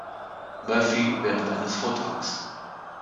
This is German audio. Murphy während eines Vortrags.